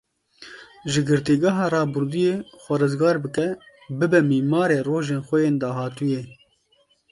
Ji girtîgeha rabirdûyê xwe rizgar bike, bibe mîmarê rojên xwe yên dahatûyê.